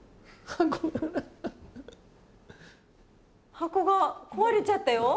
箱が壊れちゃったよ。